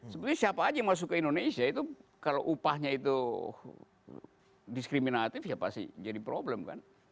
sebenarnya siapa aja yang masuk ke indonesia itu kalau upahnya itu diskriminatif ya pasti jadi problem kan